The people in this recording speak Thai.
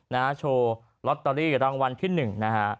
นะฮะโชว์ลอตเตอรี่รางวัลที่หนึ่งนะฮะ